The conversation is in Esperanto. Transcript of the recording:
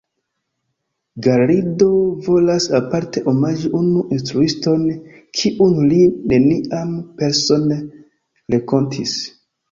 Garrido volas aparte omaĝi unu instruiston, kiun li neniam persone renkontis.